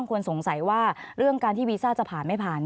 ขอบคุณครับ